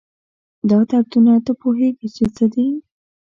دا دردونه، تۀ پوهېږي چې د څه دي؟